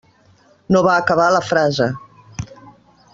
No va acabar la frase.